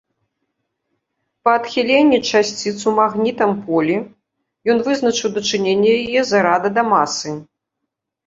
Па адхіленні часціц у магнітам поле ён вызначыў дачыненне яе зарада да масы.